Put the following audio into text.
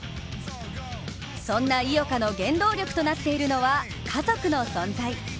そんな井岡の原動力となっているのは家族の存在。